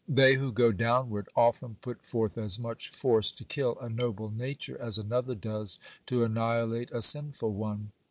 They who go downward often put forth as much force to kill a noble nature as another does to annihilate a sinful one.